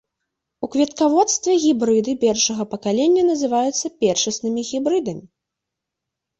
У кветкаводстве гібрыды першага пакалення называюцца першаснымі гібрыдамі.